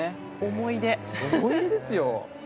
思い出ですよ。